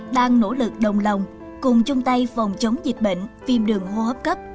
đang nỗ lực đồng lòng cùng chung tay phòng chống dịch bệnh viêm đường hô hấp cấp